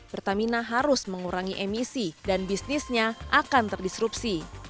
pertamina harus mengurangi emisi dan bisnisnya akan terdisrupsi